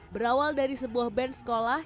berawal dari sebuah band sekolah